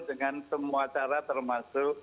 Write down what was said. dengan semua cara termasuk